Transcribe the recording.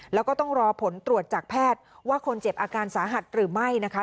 แล้วก็ต้องรอผลตรวจจากแพทย์ว่าคนเจ็บอาการสาหัสหรือไม่นะคะ